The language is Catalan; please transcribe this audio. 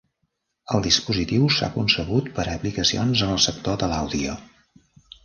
El dispositiu s'ha concebut per a aplicacions en el sector de l'àudio.